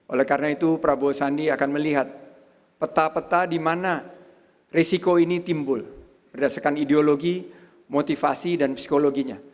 oleh karena itu prabowo sandi akan melihat peta peta di mana risiko ini timbul berdasarkan ideologi motivasi dan psikologinya